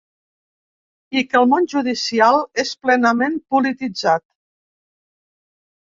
I que el món judicial és plenament polititzat.